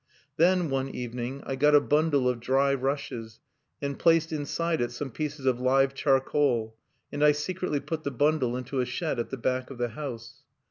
"Then, one evening, I got a bundle of dry rushes, and placed inside it some pieces of live charcoal, and I secretly put the bundle into a shed at the back of the house.